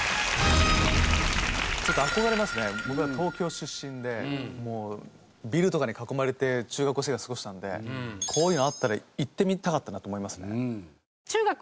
僕は東京出身でもうビルとかに囲まれて中学校生活過ごしたんでこういうのあったら行ってみたかったなと思いますね。